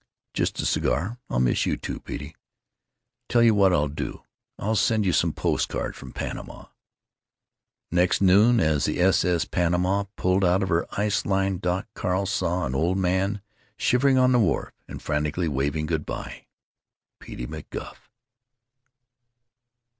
"Just a cigar.... I'll miss you, too, Petey. Tell you what I'll do. I'll send you some post cards from Panama." Next noon as the S.S. Panama pulled out of her ice lined dock Carl saw an old man shivering on the wharf and frantically waving good by—Petey McGuff.